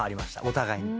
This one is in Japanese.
お互いに。